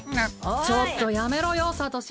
ちょっとやめろよサトシ。